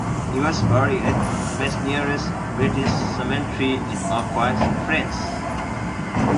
He was buried at Masnieres British Cemetery in Marcoing, France.